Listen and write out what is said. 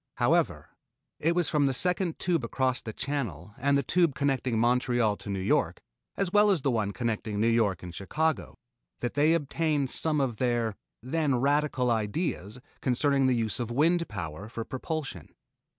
However, it was from the second tube across the Channel and the tube connecting Montreal to New York, as well as the one connecting New York and Chicago, that they obtained some of their then radical ideas concerning the use of wind power for propulsion.